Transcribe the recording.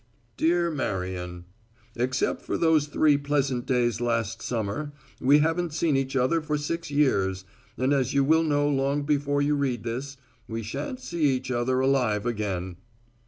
"Dear Marion: Except for those three pleasant days last summer we haven't seen each other for six years, and as you will know long before you read this, we shan't see each other alive again.